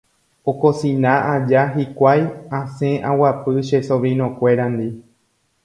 Okosina aja hikuái asẽ aguapy che sobrinokuérandi